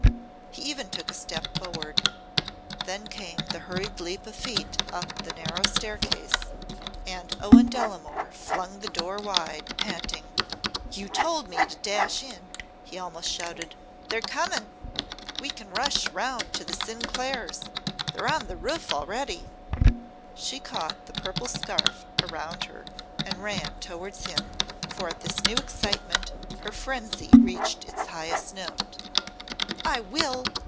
He even took a step forward. Then came the hurried leap of feet up the narrow staircase and Owen Delamore flung the door wide, panting: "You told me to dash in," he almost shouted. "They're coming! We can rush round to the Sinclairs'. They're on the roof already!" She caught the purple scarf around her and ran towards him, for at this new excitement her frenzy reached its highest note. "I will!